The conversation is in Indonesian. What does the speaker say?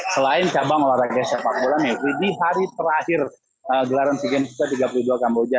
selain cabang olahraga sepak bola mepri di hari terakhir gelaran segini tiga puluh dua kamboja